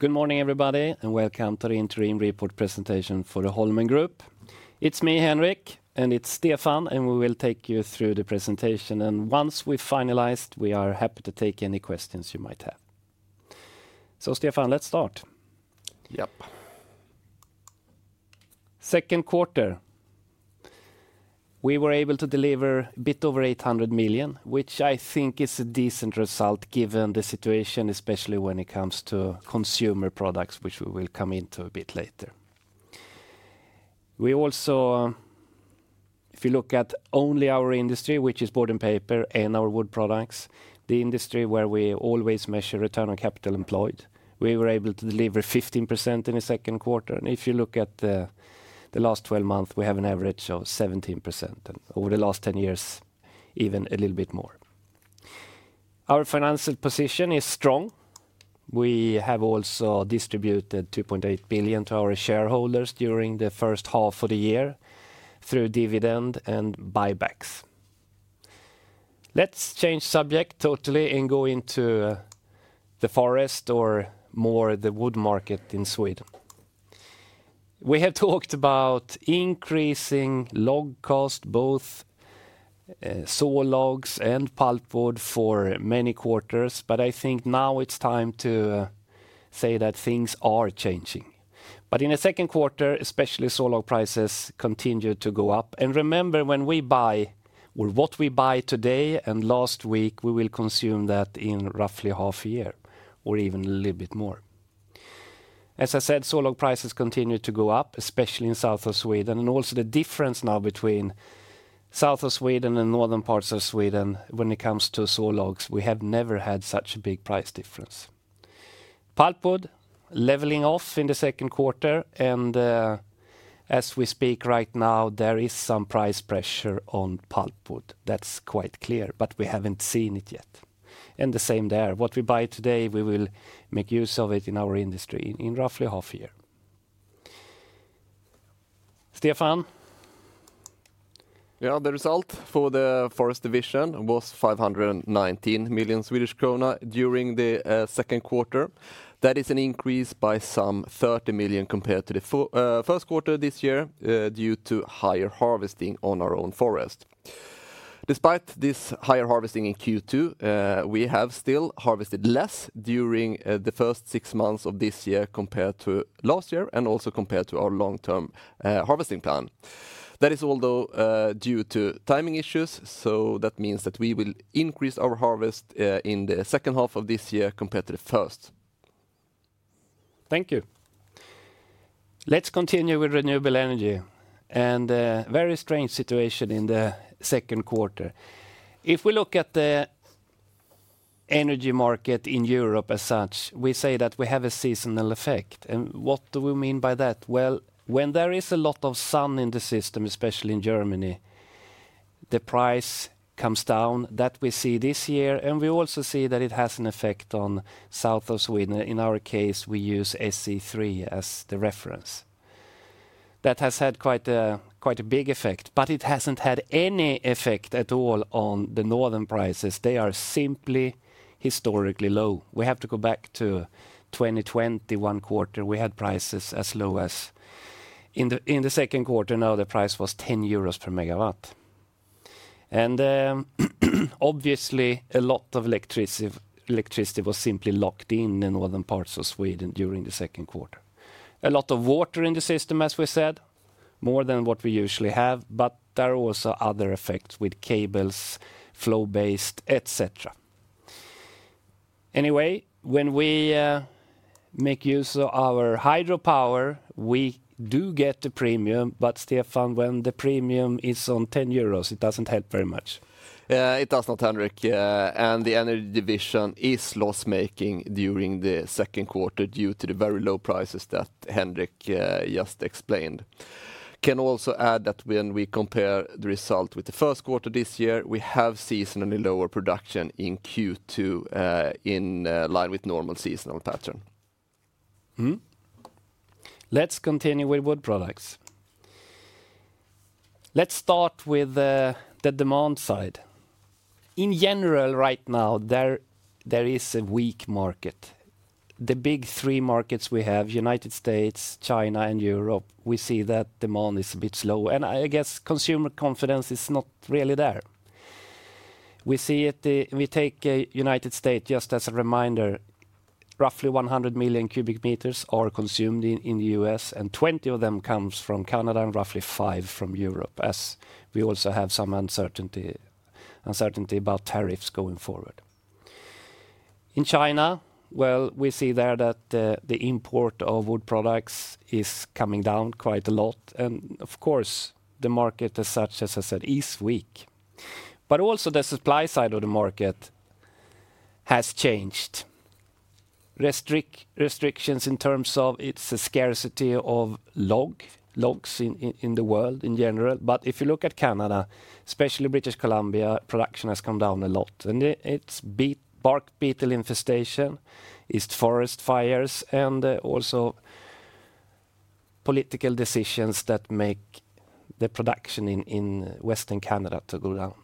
Good morning, everybody, and welcome to the interim report presentation for the Holmen Group. It's me, Henrik, and it's Stefan, and we will take you through the presentation. Once we've finalized, we are happy to take any questions you might have. Stefan, let's start. Yep. Second quarter, we were able to deliver a bit over 800 million, which I think is a decent result given the situation, especially when it comes to consumer products, which we will come into a bit later. We also, if you look at only our industry, which is board and paper and our wood products, the industry where we always measure return on capital employed, we were able to deliver 15% in the second quarter. If you look at the last 12 months, we have an average of 17%. Over the last 10 years, even a little bit more. Our financial position is strong. We have also distributed $2.8 billion to our shareholders during the first half of the year through dividend and buybacks. Let's change subject totally and go into the forest or more the wood market in Sweden. We have talked about increasing log costs, both saw logs and pulpwood for many quarters, I think now it's time to say that things are changing. In the second quarter, especially saw log prices continue to go up. Remember, when we buy or what we buy today and last week, we will consume that in roughly half a year or even a little bit more. As I said, saw log prices continue to go up, especially in Southern Sweden. Also the difference now between Southern Sweden and northern parts of Sweden when it comes to saw logs, we have never had such a big price difference. Pulpwood leveling off in the second quarter, and as we speak right now, there is some price pressure on pulpwood. That's quite clear, but we haven't seen it yet. The same there, what we buy today, we will make use of it in our industry in roughly half a year. Stefan? Yeah, the result for the Forest division was 519 million Swedish krona during the second quarter. That is an increase by some 30 million compared to the first quarter this year due to higher harvesting on our own forest. Despite this higher harvesting in Q2, we have still harvested less during the first six months of this year compared to last year and also compared to our long-term harvesting plan. That is all due to timing issues. That means we will increase our harvest in the second half of this year compared to the first. Thank you. Let's continue with renewable energy. A very strange situation in the second quarter. If we look at the energy market in Europe as such, we say that we have a seasonal effect. What do we mean by that? When there is a lot of sun in the system, especially in Germany, the price comes down. That we see this year, and we also see that it has an effect on south of Sweden. In our case, we use SC3 as the reference. That has had quite a big effect, but it hasn't had any effect at all on the northern prices. They are simply historically low. We have to go back to the 2021 quarter. We had prices as low as in the second quarter. Now the price was 10 euros per MW. Obviously, a lot of electricity was simply locked in the northern parts of Sweden during the second quarter. A lot of water in the system, as we said, more than what we usually have, but there are also other effects with cables, flow-based, etc. Anyway, when we make use of our hydropower, we do get the premium, but Stefan, when the premium is on 10 euros, it doesn't help very much. It does not, Henrik. The energy division is loss-making during the second quarter due to the very low prices that Henrik just explained. I can also add that when we compare the result with the first quarter this year, we have seasonally lower production in Q2 in line with the normal seasonal pattern. Let's continue with wood products. Let's start with the demand side. In general, right now, there is a weak market. The big three markets we have, the United States, China, and Europe, we see that demand is a bit slow. I guess consumer confidence is not really there. We take the United States just as a reminder. Roughly 100 million cubic meters are consumed in the U.S., and 20 of them come from Canada and roughly five from Europe, as we also have some uncertainty about tariffs going forward. In China, we see there that the import of wood products is coming down quite a lot. Of course, the market, as such, as I said, is weak. Also, the supply side of the market has changed. Restrictions in terms of its scarcity of logs in the world in general. If you look at Canada, especially British Columbia, production has come down a lot. It's bark beetle infestation, forest fires, and also political decisions that make the production in Western Canada go down.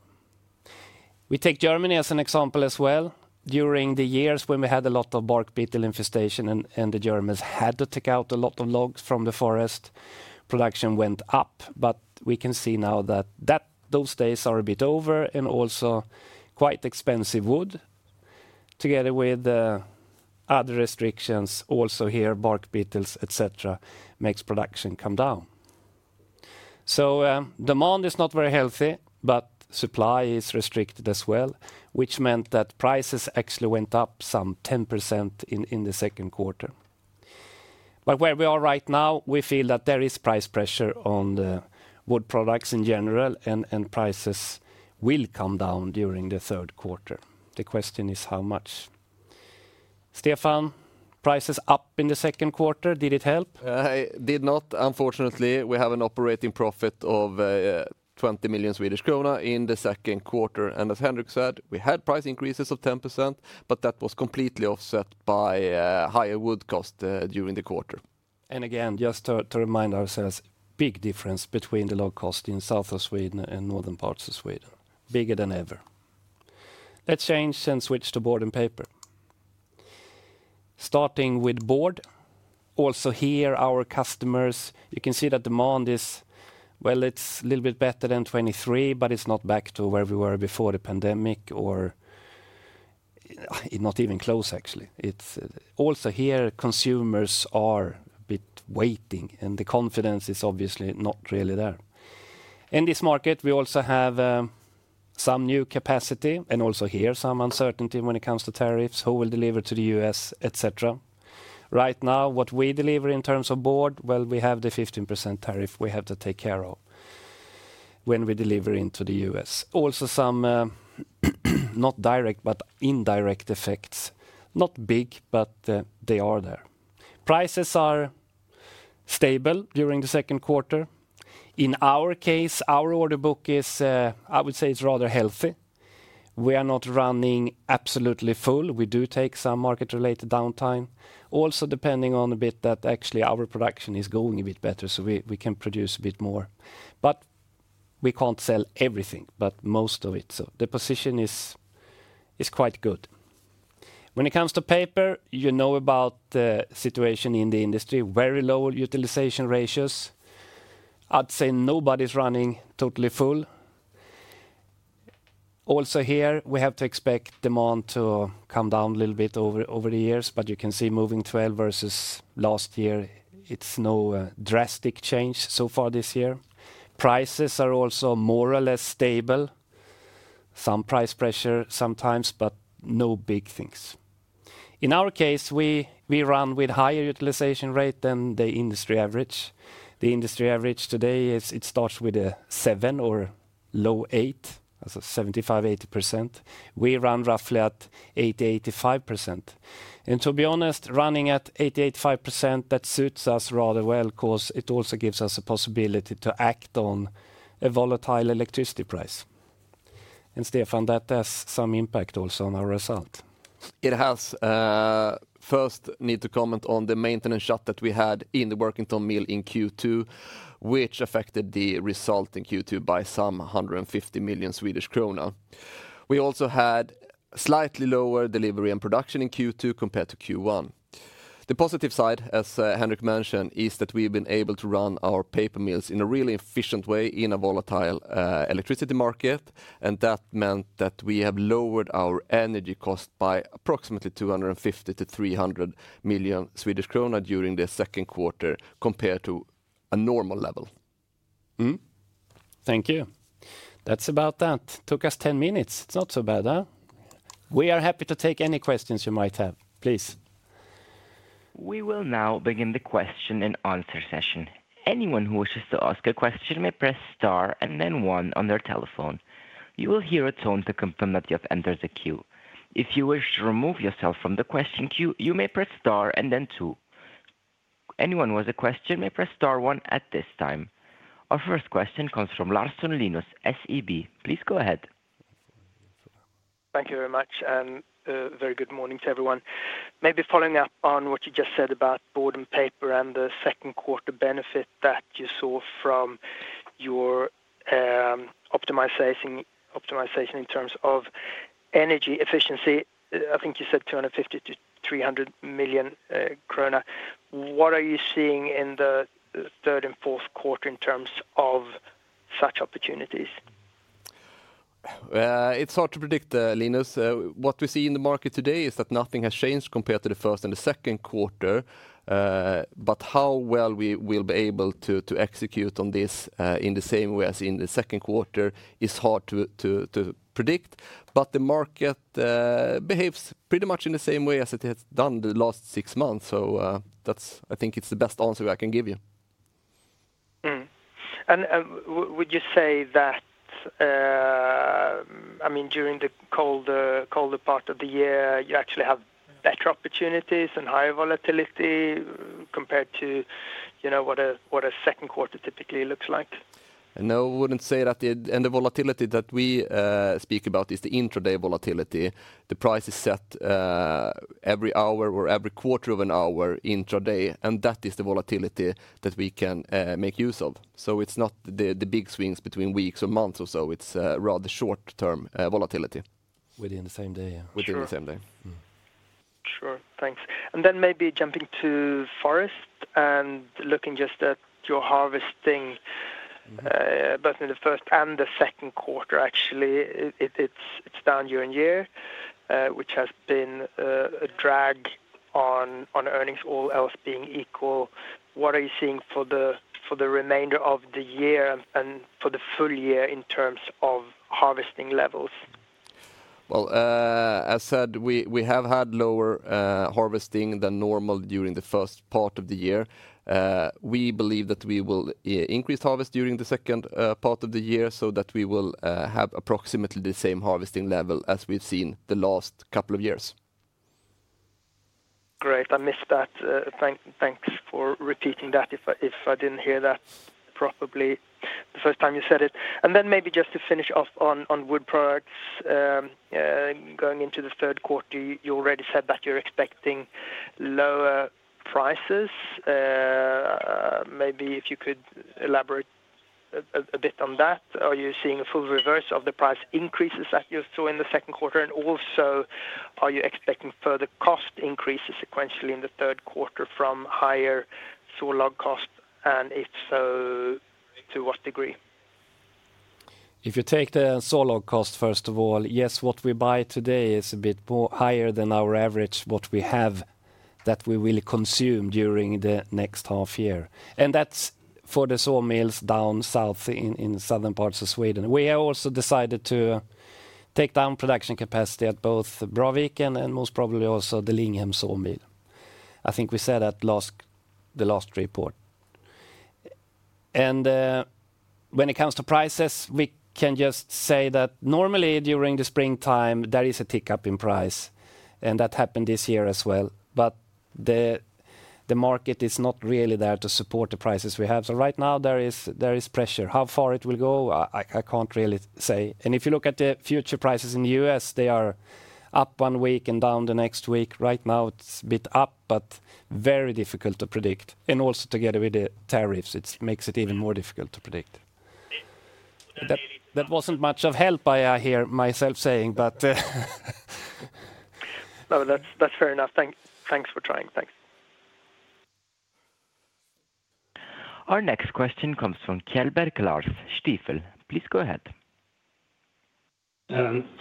We take Germany as an example as well. During the years when we had a lot of bark beetle infestation and the Germans had to take out a lot of logs from the forest, production went up. We can see now that those days are a bit over and also quite expensive wood. Together with other restrictions, also here, bark beetles, etc., makes production come down. Demand is not very healthy, but supply is restricted as well, which meant that prices actually went up some 10% in the second quarter. Where we are right now, we feel that there is price pressure on the wood products in general, and prices will come down during the third quarter. The question is how much. Stefan, prices up in the second quarter. Did it help? It did not, unfortunately. We have an operating profit of 20 million Swedish krona in the second quarter. As Henrik said, we had price increases of 10%, but that was completely offset by higher wood costs during the quarter. to remind ourselves, there is a big difference between the log costs in the south of Sweden and the northern parts of Sweden, bigger than ever. Let's change and switch to board and paper. Starting with board, our customers, you can see that demand is a little bit better than 2023, but it's not back to where we were before the pandemic or not even close, actually. Consumers are a bit waiting, and the confidence is obviously not really there. In this market, we also have some new capacity and some uncertainty when it comes to tariffs, who will deliver to the U.S., et cetera. Right now, what we deliver in terms of board, we have the 15% tariff we have to take care of when we deliver into the U.S. There are also some not direct, but indirect effects. Not big, but they are there. Prices are stable during the second quarter. In our case, our order book is, I would say, rather healthy. We are not running absolutely full. We do take some market-related downtime, also depending on the fact that actually our production is going a bit better, so we can produce a bit more. We can't sell everything, but most of it, so the position is quite good. When it comes to paper, you know about the situation in the industry. Very low utilization ratios. I'd say nobody's running totally full. We have to expect demand to come down a little bit over the years, but you can see moving 12 versus last year, it's no drastic change so far this year. Prices are also more or less stable. There is some price pressure sometimes, but no big things. In our case, we run with a higher utilization rate than the industry average. The industry average today starts with a seven or low eight, so 75%, 80%. We run roughly at 80%, 85%. To be honest, running at 80%, 85% suits us rather well because it also gives us a possibility to act on a volatile electricity price. Stefan, that has some impact also on our result. It has. First, I need to comment on the maintenance shutdown that we had in the Workington mill in Q2, which affected the result in Q2 by some 150 million Swedish krona. We also had slightly lower delivery and production in Q2 compared to Q1. The positive side, as Henrik mentioned, is that we've been able to run our paper mills in a really efficient way in a volatile electricity market. That meant that we have lowered our energy costs by approximately 250 million-300 million Swedish krona during the second quarter compared to a normal level. Thank you. That's about that. It took us 10 minutes. It's not so bad, huh? We are happy to take any questions you might have. Please. We will now begin the question and answer session. Anyone who wishes to ask a question may press star and then one on their telephone. You will hear a tone to confirm that you have entered the queue. If you wish to remove yourself from the question queue, you may press star and then two. Anyone who has a question may press star one at this time. Our first question comes from Larsson, Linus, SEB. Please go ahead. Thank you very much and very good morning to everyone. Maybe following up on what you just said about board and paper and the second quarter benefit that you saw from your optimization in terms of energy efficiency. I think you said 250 million-300 million krona. What are you seeing in the third and fourth quarter in terms of such opportunities? It's hard to predict, Linus. What we see in the market today is that nothing has changed compared to the first and the second quarter. How well we will be able to execute on this in the same way as in the second quarter is hard to predict. The market behaves pretty much in the same way as it has done the last six months. I think it's the best answer I can give you. Would you say that, during the colder part of the year, you actually have better opportunities and higher volatility compared to what a second quarter typically looks like? No, I wouldn't say that. The volatility that we speak about is the intraday volatility. The price is set every hour or every quarter of an hour intraday, and that is the volatility that we can make use of. It's not the big swings between weeks or months or so. It's rather short-term volatility. Within the same day. Within the same day. Sure. Thanks. Maybe jumping to forest and looking just at your harvesting, both in the first and the second quarter, actually, it's down year on year, which has been a drag on earnings, all else being equal. What are you seeing for the remainder of the year and for the full year in terms of harvesting levels? As I said, we have had lower harvesting than normal during the first part of the year. We believe that we will increase harvest during the second part of the year so that we will have approximately the same harvesting level as we've seen the last couple of years. Great. I missed that. Thanks for repeating that. If I didn't hear that, probably the first time you said it. Maybe just to finish off on wood products, going into the third quarter, you already said that you're expecting lower prices. If you could elaborate a bit on that. Are you seeing a full reverse of the price increases that you saw in the second quarter? Also, are you expecting further cost increases sequentially in the third quarter from higher saw log costs? If so, to what degree? If you take the saw log cost, first of all, yes, what we buy today is a bit higher than our average, what we have that we will consume during the next half year. That's for the sawmills down south in southern parts of Sweden. We also decided to take down production capacity at both Bråviken and most probably also the Linghem sawmill. I think we said that in the last report. When it comes to prices, we can just say that normally during the springtime, there is a tick up in price. That happened this year as well. The market is not really there to support the prices we have. Right now, there is pressure. How far it will go, I can't really say. If you look at the future prices in the U.S., they are up one week and down the next week. Right now, it's a bit up, but very difficult to predict. Also, together with the tariffs, it makes it even more difficult to predict. That wasn't much of help, I hear myself saying, but. No, that's fair enough. Thanks for trying. Thanks. Our next question comes from Kjellberg, Lars, Stifel. Please go ahead.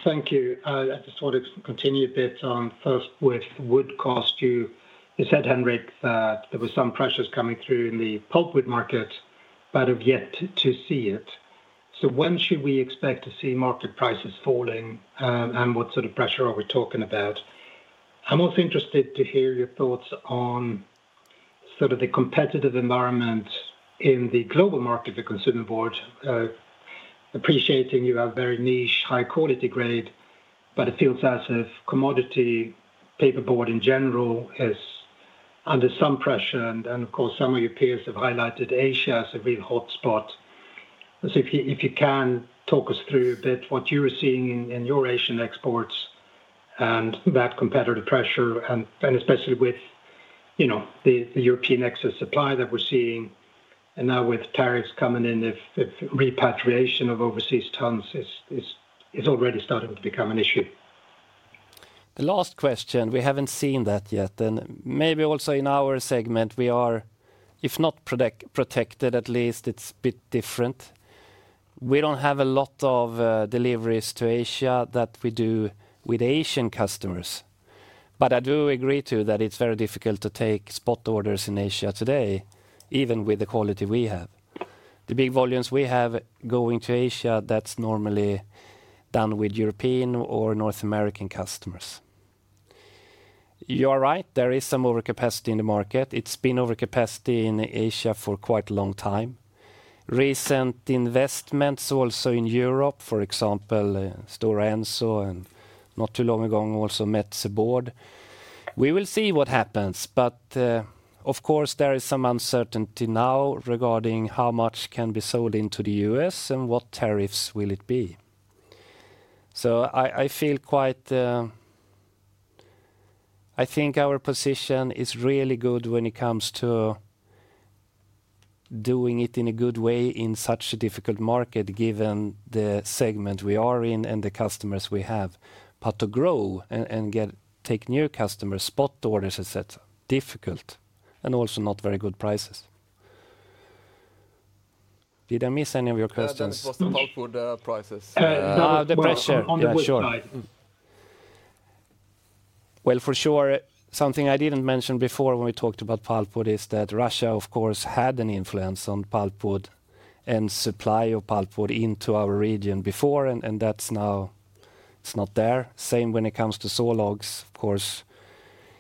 Thank you. I just wanted to continue a bit on first with wood cost. You said, Henrik, that there were some pressures coming through in the pulpwood market, but I've yet to see it. When should we expect to see market prices falling, and what sort of pressure are we talking about? I'm also interested to hear your thoughts on the competitive environment in the global market for consumer board. Appreciating you have very niche, high-quality grade, it feels as if commodity paperboard in general is under some pressure. Some of your peers have highlighted Asia as a real hotspot. If you can talk us through what you're seeing in your Asian exports and that competitive pressure, especially with the European excess supply that we're seeing, and now with tariffs coming in, if repatriation of overseas tons is already starting to become an issue. The last question, we haven't seen that yet. Maybe also in our segment, we are, if not protected, at least it's a bit different. We don't have a lot of deliveries to Asia that we do with Asian customers. I do agree that it's very difficult to take spot orders in Asia today, even with the quality we have. The big volumes we have going to Asia, that's normally done with European or North American customers. You are right. There is some overcapacity in the market. It's been overcapacity in Asia for quite a long time. Recent investments also in Europe, for example, Stora Enso and not too long ago also Metsä Board. We will see what happens. There is some uncertainty now regarding how much can be sold into the U.S. and what tariffs will it be. I feel quite, I think our position is really good when it comes to doing it in a good way in such a difficult market given the segment we are in and the customers we have. To grow and take new customers, spot orders, et cetera, difficult and also not very good prices. Did I miss any of your questions? The pressure. For sure, something I didn't mention before when we talked about pulpwood is that Russia, of course, had an influence on pulpwood and supply of pulpwood into our region before, and that's now not there. The same when it comes to saw logs. Of course,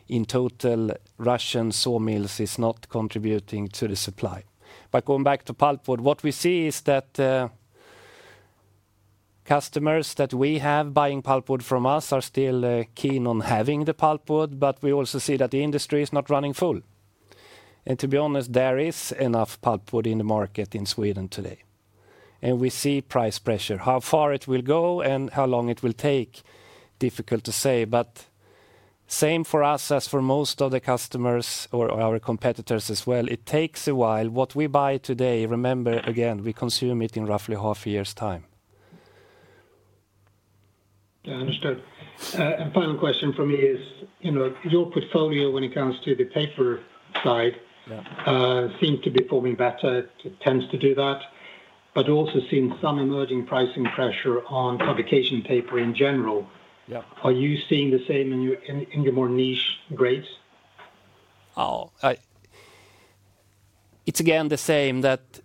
in total, Russian sawmills are not contributing to the supply. Going back to pulpwood, what we see is that customers that we have buying pulpwood from us are still keen on having the pulpwood, but we also see that the industry is not running full. To be honest, there is enough pulpwood in the market in Sweden today. We see price pressure. How far it will go and how long it will take is difficult to say. The same for us as for most of the customers or our competitors as well. It takes a while. What we buy today, remember again, we consume it in roughly half a year's time. I understood. Final question for me is, you know, your portfolio when it comes to the paper side seemed to be performing better. It tends to do that. I've also seen some emerging pricing pressure on publication paper in general. Are you seeing the same in your more niche grades? It's again the same that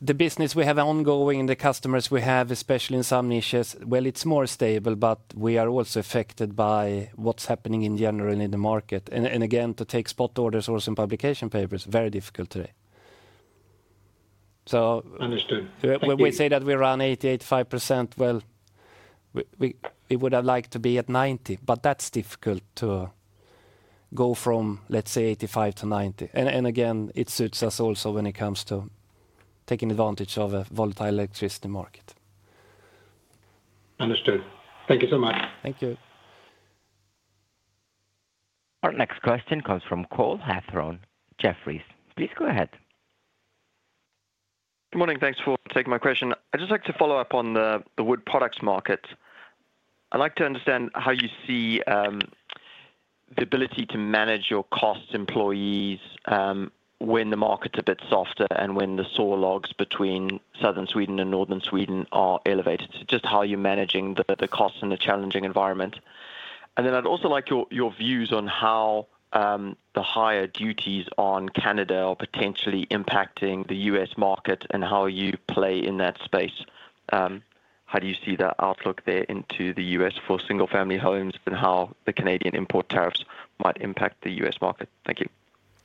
the business we have ongoing and the customers we have, especially in some niches, is more stable, but we are also affected by what's happening in general in the market. To take spot orders also in publication paper is very difficult today. When we say that we run 80%, 85%, we would have liked to be at 90%, but that's difficult to go from, let's say, 85%-90%. It suits us also when it comes to taking advantage of a volatile electricity market. Understood. Thank you so much. Thank you. Our next question comes from Cole Hathorn, Jefferies. Please go ahead. Good morning. Thanks for taking my question. I'd just like to follow up on the wood products market. I'd like to understand how you see the ability to manage your costs, employees, when the market's a bit softer and when the saw logs between Southern Sweden and Northern Sweden are elevated. Just how you're managing the costs in a challenging environment. I'd also like your views on how the higher duties on Canada are potentially impacting the U.S. market and how you play in that space. How do you see the outlook there into the U.S. for single-family homes and how the Canadian import tariffs might impact the U.S. market? Thank you.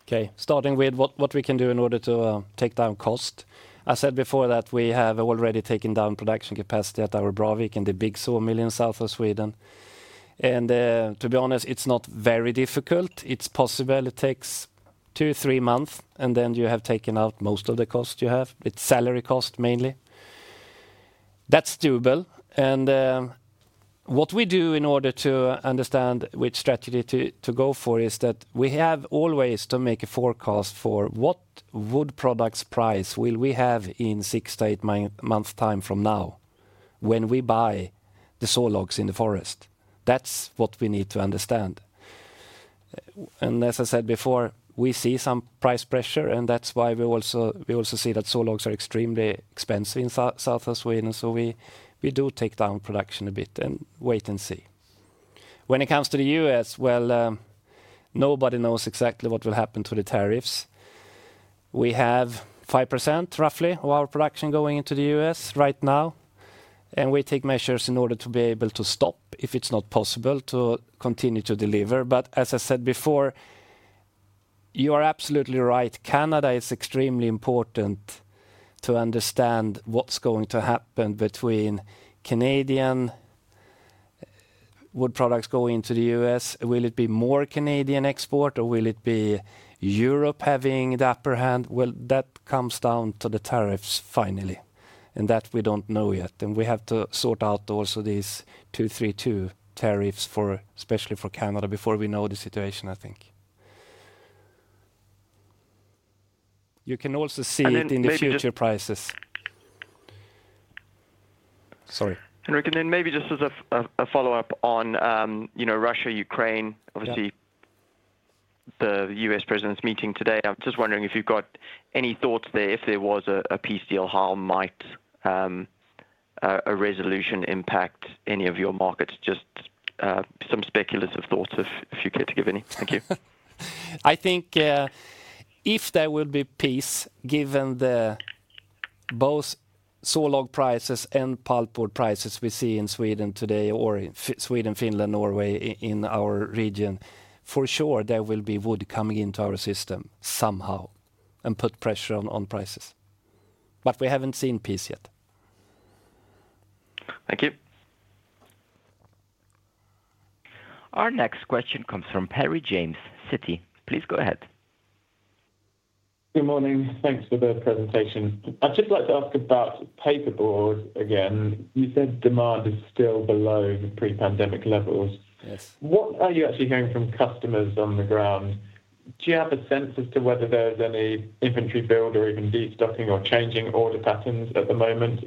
Okay. Starting with what we can do in order to take down cost. I said before that we have already taken down production capacity at our Bråviken and the big sawmill in south of Sweden. To be honest, it's not very difficult. It's possible it takes two or three months, and then you have taken out most of the costs you have. It's salary cost mainly. That's doable. What we do in order to understand which strategy to go for is that we have always to make a forecast for what wood products price will we have in six to eight months' time from now when we buy the saw logs in the forest. That's what we need to understand. As I said before, we see some price pressure, and that's why we also see that saw logs are extremely expensive in south of Sweden. We do take down production a bit and wait and see. When it comes to the U.S., nobody knows exactly what will happen to the tariffs. We have 5% roughly of our production going into the U.S. right now. We take measures in order to be able to stop if it's not possible to continue to deliver. As I said before, you are absolutely right. Canada is extremely important to understand what's going to happen between Canadian wood products going into the U.S. Will it be more Canadian export or will it be Europe having the upper hand? That comes down to the tariffs finally. That we don't know yet. We have to sort out also these 2-3-2 tariffs, especially for Canada, before we know the situation, I think. You can also see it in the future prices. Sorry. Henrik, and then maybe just as a follow-up on, you know, Russia, Ukraine, obviously the U.S. president's meeting today. I'm just wondering if you've got any thoughts there if there was a peace deal, how might a resolution impact any of your markets? Just some speculative thoughts if you could give any. Thank you. I think if there will be peace, given both saw log prices and pulpwood prices we see in Sweden today or Sweden, Finland, Norway in our region, for sure there will be wood coming into our system somehow and put pressure on prices. We haven't seen peace yet. Thank you. Our next question comes from Perry, James, Citi. Please go ahead. Good morning. Thanks for the presentation. I'd just like to ask about paperboard again. You said demand is still below pre-pandemic levels. What are you actually hearing from customers on the ground? Do you have a sense as to whether there's any inventory build or even destocking or changing order patterns at the moment?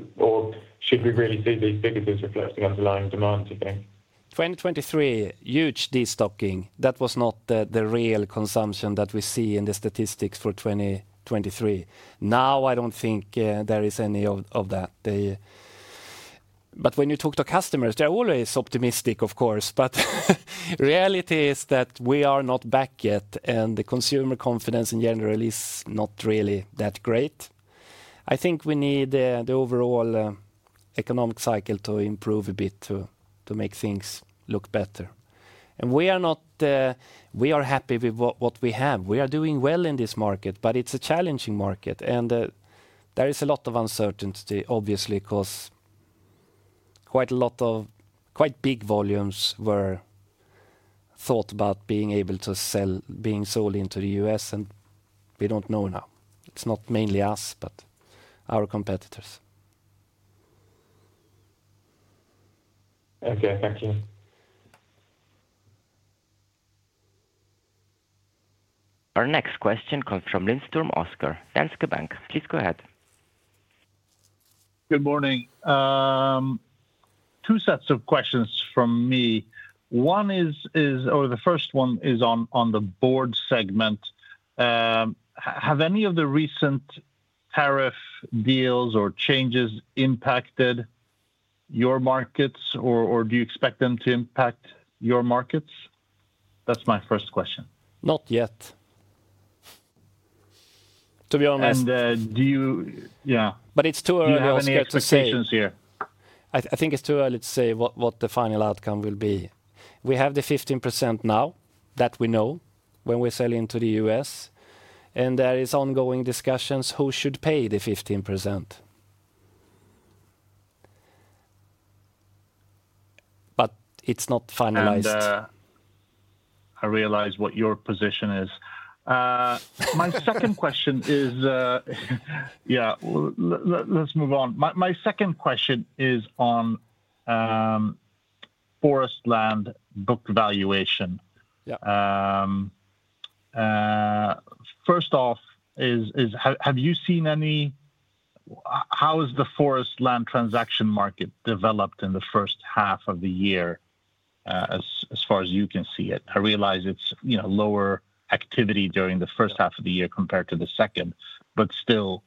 Should we really see these figures reflecting underlying demand today? 2023, huge destocking. That was not the real consumption that we see in the statistics for 2023. I don't think there is any of that now. When you talk to customers, they're always optimistic, of course. The reality is that we are not back yet, and the consumer confidence in general is not really that great. I think we need the overall economic cycle to improve a bit to make things look better. We are happy with what we have. We are doing well in this market, but it's a challenging market. There is a lot of uncertainty, obviously, because quite a lot of quite big volumes were thought about being able to sell, being sold into the U.S. We don't know now. It's not mainly us, but our competitors. Okay, thank you. Our next question comes from Lindström, Oskar, Danske Bank. Please go ahead. Good morning. Two sets of questions from me. One is, or the first one is on the board segment. Have any of the recent tariff deals or changes impacted your markets, or do you expect them to impact your markets? That's my first question. Not yet. To be honest. Do you, yeah. It is too early to make a decision here. I think it's too early to say what the final outcome will be. We have the 15% now that we know when we sell into the U.S., and there are ongoing discussions who should pay the 15%. It's not finalized. I realize what your position is. My second question is, yeah, let's move on. My second question is on forest land book valuation. First off, have you seen any, how has the forest land transaction market developed in the first half of the year as far as you can see it? I realize it's lower activity during the first half of the year compared to the second, but still,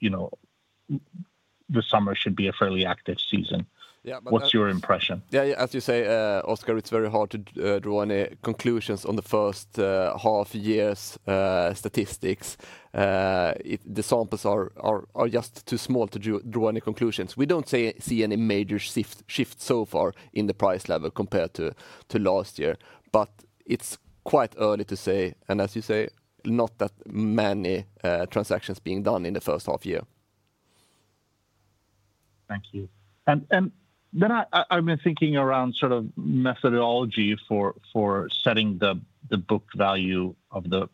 the summer should be a fairly active season. What's your impression? Yeah, as you say, Oskar, it's very hard to draw any conclusions on the first half year's statistics. The samples are just too small to draw any conclusions. We don't see any major shifts so far in the price level compared to last year. It's quite early to say, and as you say, not that many transactions being done in the first half year. Thank you. I've been thinking around sort of methodology for setting the book value of the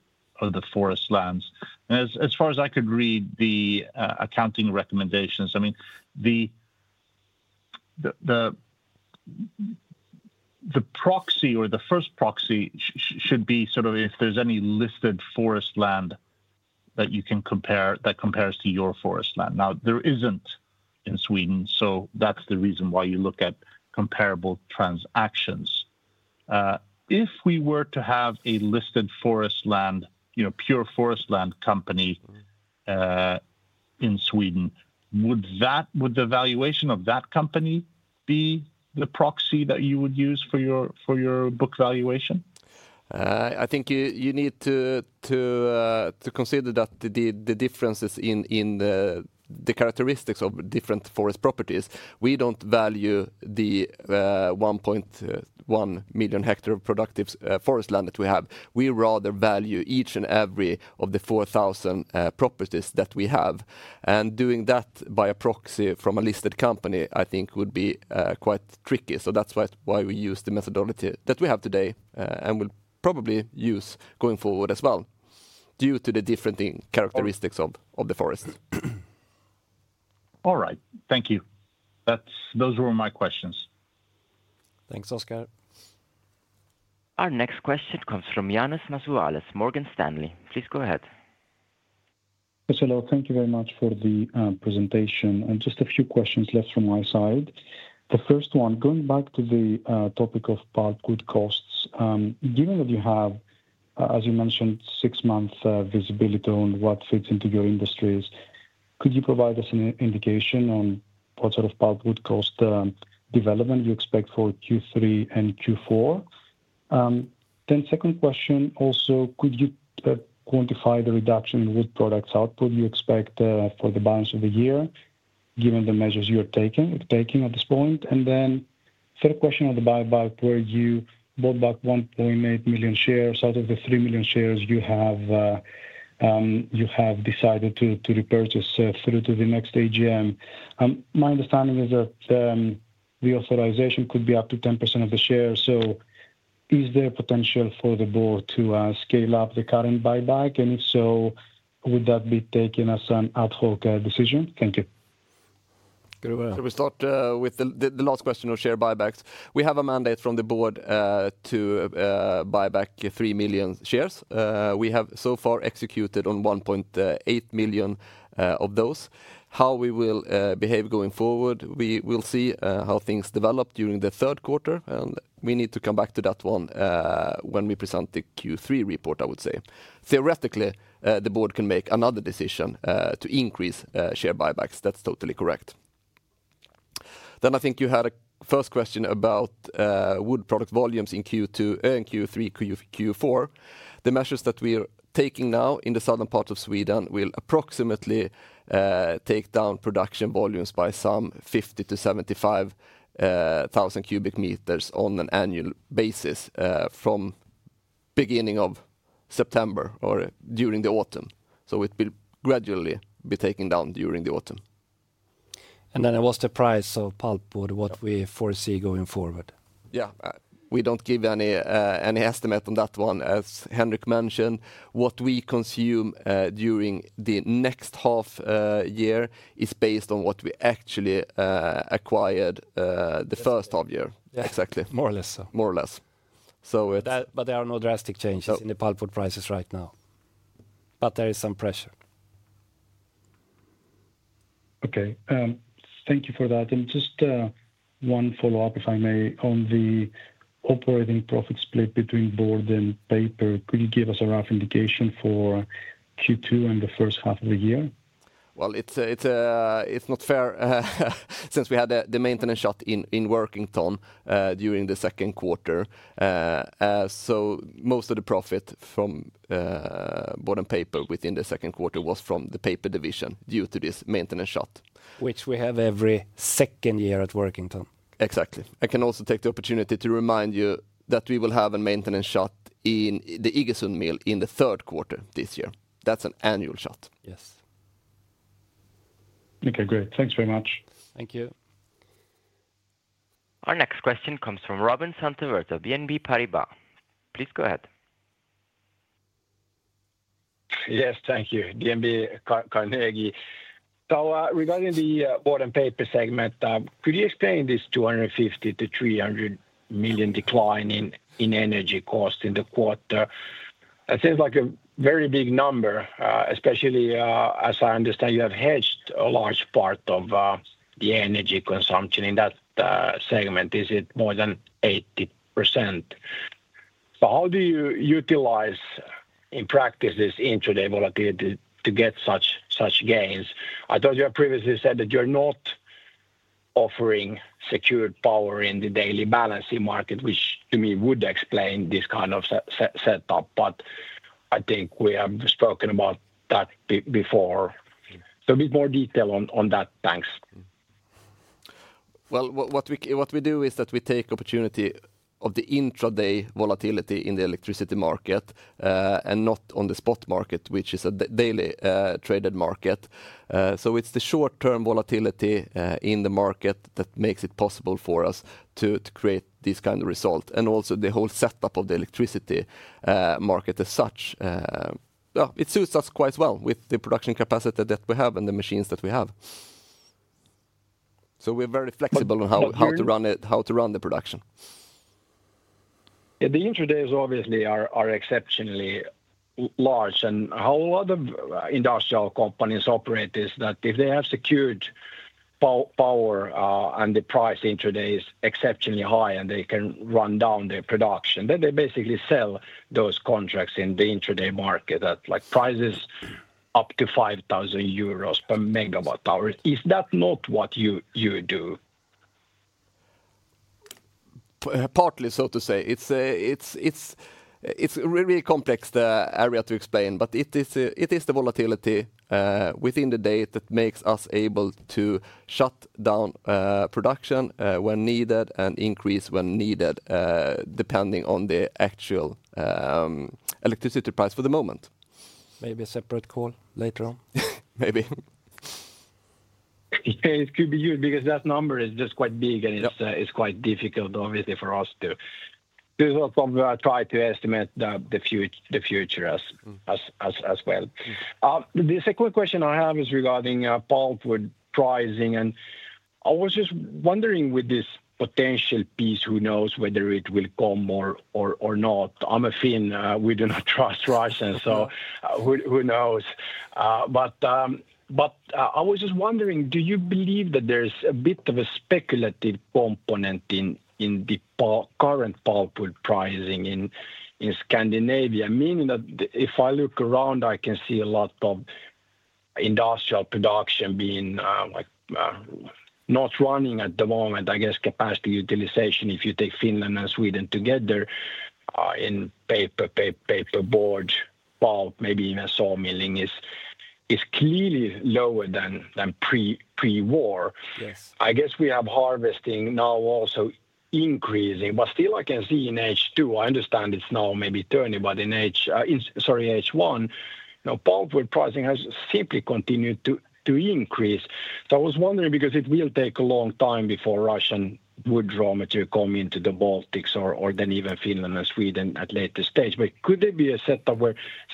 forest lands. As far as I could read the accounting recommendations, the proxy or the first proxy should be if there's any listed forest land that you can compare that compares to your forest land. There isn't in Sweden, so that's the reason why you look at comparable transactions. If we were to have a listed forest land, you know, pure forest land company in Sweden, would the valuation of that company be the proxy that you would use for your book valuation? I think you need to consider the differences in the characteristics of different forest properties. We don't value the 1.1 million hectares of productive forest land that we have. We rather value each and every one of the 4,000 properties that we have. Doing that by a proxy from a listed company, I think, would be quite tricky. That's why we use the methodology that we have today and will probably use going forward as well due to the different characteristics of the forest. All right. Thank you. Those were my questions. Thanks, Oskar. Our next question comes from [Yannis Mazzawi], Morgan Stanley. Please go ahead. Yes, hello. Thank you very much for the presentation. Just a few questions left from my side. The first one, going back to the topic of pulpwood costs, given that you have, as you mentioned, six months' visibility on what fits into your industries, could you provide us an indication on what sort of pulpwood cost development you expect for Q3 and Q4? Second question, also, could you quantify the reduction in wood products output you expect for the balance of the year, given the measures you are taking at this point? Third question on the buyback, where you bought back 1.8 million shares. Out of the 3 million shares, you have decided to repurchase through to the next AGM. My understanding is that the authorization could be up to 10% of the shares. Is there potential for the board to scale up the current buyback? If so, would that be taken as an ad hoc decision? Thank you. Should we start with the last question on share buybacks? We have a mandate from the Board to buy back 3 million shares. We have so far executed on 1.8 million of those. How we will behave going forward, we will see how things develop during the third quarter. We need to come back to that one when we present the Q3 report, I would say. Theoretically, the Board can make another decision to increase share buybacks. That's totally correct. I think you had a first question about wood product volumes in Q2 and Q3, Q4. The measures that we're taking now in the southern part of Sweden will approximately take down production volumes by some 50,000 cubic meters-75,000 cubic meters on an annual basis from the beginning of September or during the autumn. It will gradually be taken down during the autumn. Regarding the price of pulpwood, what we foresee going forward. We don't give any estimate on that one. As Henrik mentioned, what we consume during the next half year is based on what we actually acquired the first half year. Exactly. More or less so. More or less. There are no drastic changes in the pulpwood prices right now, but there is some pressure. Thank you for that. Just one follow-up, if I may, on the operating profit split between board and paper. Could you give us a rough indication for Q2 and the first half of the year? It is not fair since we had the maintenance shutdown in Workington during the second quarter. Most of the profit from board and paper within the second quarter was from the paper division due to this maintenance shutdown. Which we have every second year at Workington. Exactly. I can also take the opportunity to remind you that we will have a maintenance shutdown in the Iggesund mill in the third quarter this year. That's an annual shutdown. Yes. Okay, great. Thanks very much. Thank you. Our next question comes from Robin Santavirta of BNP Paribas. Please go ahead. Yes, thank you. DNB Carnegie. Regarding the board and paper segment, could you explain this 250 million-300 million decline in energy costs in the quarter? It seems like a very big number, especially as I understand you have hedged a large part of the energy consumption in that segment. Is it more than 80%? How do you utilize in practice this intraday volatility to get such gains? I thought you had previously said that you're not offering secured power in the daily balance in market, which to me would explain this kind of setup. I think we have spoken about that before. A bit more detail on that, thanks. What we do is that we take opportunity of the intraday volatility in the electricity market and not on the spot market, which is a daily traded market. It's the short-term volatility in the market that makes it possible for us to create this kind of result. Also, the whole setup of the electricity market as such suits us quite well with the production capacity that we have and the machines that we have. We're very flexible on how to run the production. The intradays obviously are exceptionally large. How a lot of industrial companies operate is that if they have secured power and the price intraday is exceptionally high and they can run down their production, they basically sell those contracts in the intraday market at prices up to 5,000 euros per MWh. Is that not what you do? Partly so to say. It's a really complex area to explain, but it is the volatility within the day that makes us able to shut down production when needed and increase when needed, depending on the actual electricity price for the moment. Maybe a separate call later on. Maybe. It could be huge because that number is just quite big, and it's quite difficult obviously for us to do. We will probably try to estimate the future as well. The second question I have is regarding pulpwood pricing. I was just wondering, with this potential piece, who knows whether it will come or not. I'm a Finn. We do not trust Ryzen, so who knows? I was just wondering, do you believe that there's a bit of a speculative component in the current pulpwood pricing in Scandinavia? Meaning that if I look around, I can see a lot of industrial production being not running at the moment. I guess capacity utilization, if you take Finland and Sweden together in paper, paperboard, pallet, maybe even saw milling, is clearly lower than pre-war. I guess we have harvesting now also increasing, but still, I can see in H2, I understand it's now maybe turning, but in H1, pulpwood pricing has simply continued to increase. I was wondering, because it will take a long time before Russian wood raw material comes into the Baltics or then even Finland and Sweden at a later stage, could there be a setup where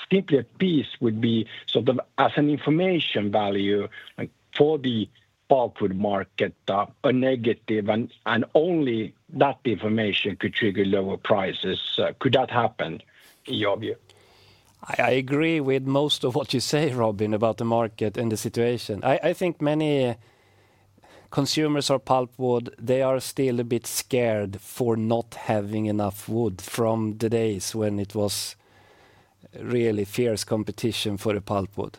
simply a piece would be sort of as an information value for the pulpwood market, a negative, and only that information could trigger lower prices? Could that happen in your view? I agree with most of what you say, Robin, about the market and the situation. I think many consumers of pulpwood are still a bit scared of not having enough wood from the days when it was really fierce competition for the pulpwood.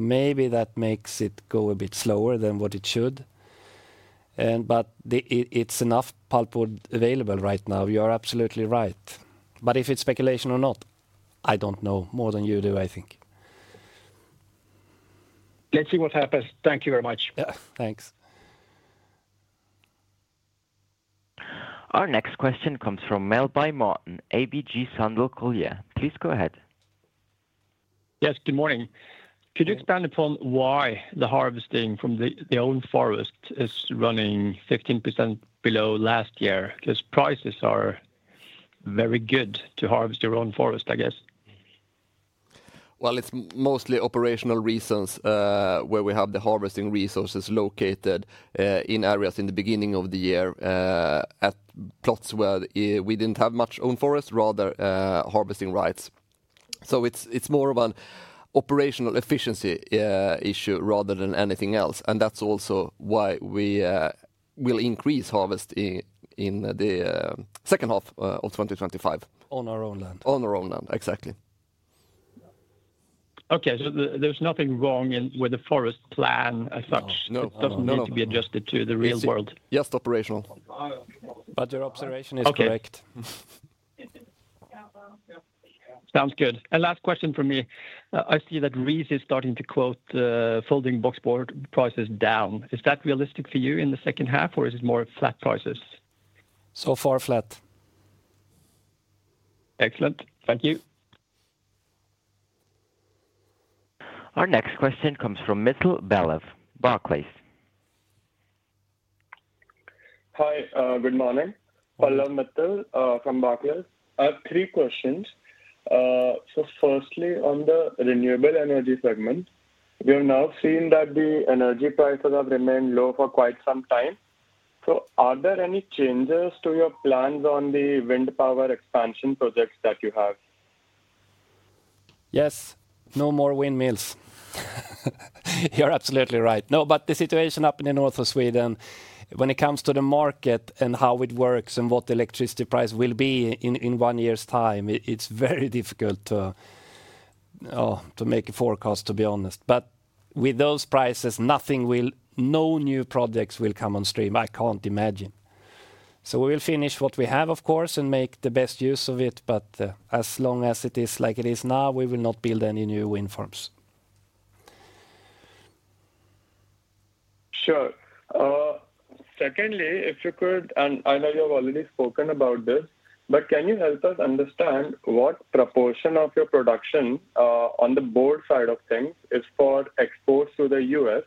Maybe that makes it go a bit slower than what it should. There is enough pulpwood available right now. You are absolutely right. If it's speculation or not, I don't know more than you do, I think. Let's see what happens. Thank you very much. Yeah, thanks. Our next question comes from Melbye, Martin, ABG Sundal Collier. Please go ahead. Yes, good morning. Could you expand upon why the harvesting from the own forest is running 15% below last year? Those prices are very good to harvest your own forest, I guess. It is mostly operational reasons where we have the harvesting resources located in areas in the beginning of the year at plots where we didn't have much own forest, rather harvesting rights. It is more of an operational efficiency issue rather than anything else. That is also why we will increase harvest in the second half of 2025. On our own land. On our own land, exactly. Okay, there's nothing wrong with the forest plan as such. No, no. It doesn't need to be adjusted to the real world. Just operational. Your observation is correct. Sounds good. Last question from me. I see that RISI is starting to quote folding boxboard prices down. Is that realistic for you in the second half or is it more flat prices? Flat so far. Excellent. Thank you. Our next question comes from Mittal, Pallav, Barclays. Hi, good morning. Pallav Mittal from Barclays. I have three questions. Firstly, on the renewable energy segment, we are now seeing that the energy prices have remained low for quite some time. Are there any changes to your plans on the wind power expansion projects that you have? Yes, no more windmills. You're absolutely right. The situation up in the north of Sweden, when it comes to the market and how it works and what the electricity price will be in one year's time, it's very difficult to make a forecast, to be honest. With those prices, nothing will, no new projects will come on stream. I can't imagine. We will finish what we have, of course, and make the best use of it. As long as it is like it is now, we will not build any new wind farms. Sure. Secondly, if you could, and I know you've already spoken about this, can you help us understand what proportion of your production on the board side of things is for exports to the U.S.?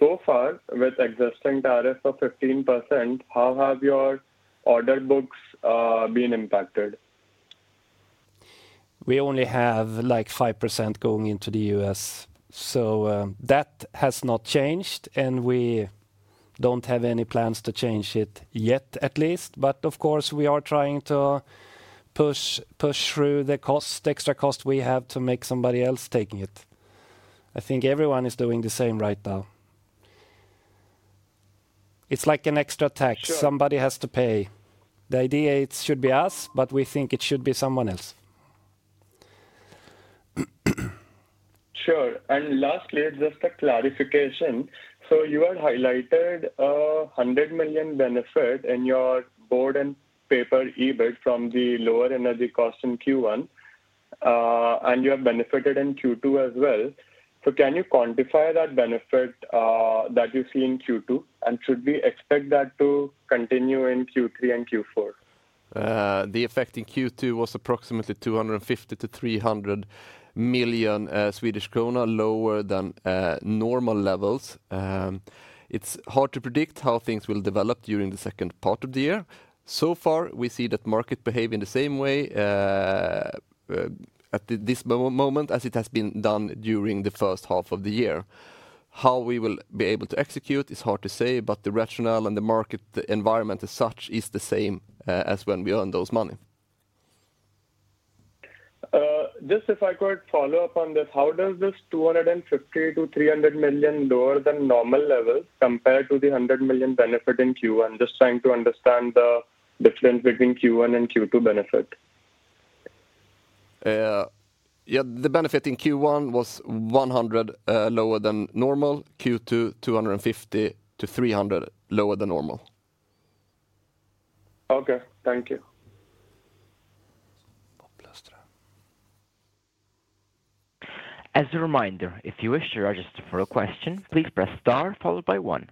With existing tariffs of 15%, how have your order books been impacted? We only have like 5% going into the U.S. That has not changed, and we don't have any plans to change it yet, at least. Of course, we are trying to push through the cost, the extra cost we have to make somebody else take it. I think everyone is doing the same right now. It's like an extra tax. Somebody has to pay. The idea is it should be us, but we think it should be someone else. Sure. Lastly, just a clarification. You had highlighted a 100 million benefit in your board and paper EBITDA from the lower energy cost in Q1, and you have benefited in Q2 as well. Can you quantify that benefit that you see in Q2? Should we expect that to continue in Q3 and Q4? The effect in Q2 was approximately 250 million-300 million Swedish krona, lower than normal levels. It's hard to predict how things will develop during the second part of the year. So far, we see that the market behaves in the same way at this moment as it has been done during the first half of the year. How we will be able to execute is hard to say, but the rationale and the market environment as such is the same as when we earn those money. Just if I could follow up on this, how does this 250 million-300 million lower than normal level compare to the 100 million benefit in Q1? I'm just trying to understand the difference between Q1 and Q2 benefit. Yeah, the benefit in Q1 was 100 million lower than normal. Q2, 250 million-300 million lower than normal. Okay, thank you. As a reminder, if you wish to register for a question, please press star followed by one.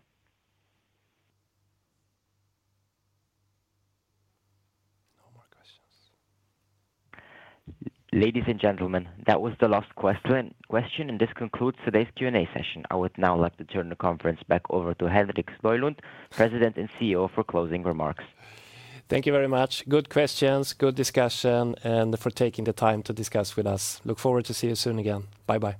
Ladies and gentlemen, that was the last question. This concludes today's Q&A session. I would now let the journal conference back over to Henrik Sjölund, President and CEO, for closing remarks. Thank you very much. Good questions, good discussion, and for taking the time to discuss with us. Look forward to seeing you soon again. Bye-bye.